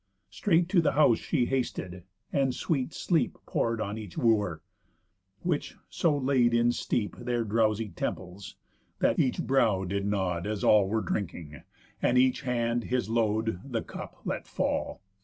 Straight to the house she hasted, and sweet sleep Pour'd on each Wooer; which so laid in steep Their drowsy temples, that each brow did nod, As all were drinking, and each hand his load, The cup, let fall.